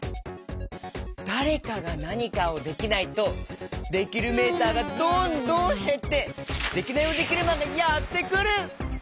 だれかがなにかをできないとできるメーターがどんどんへってデキナイヲデキルマンがやってくる！